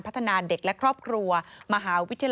พบหน้าลูกแบบเป็นร่างไร้วิญญาณ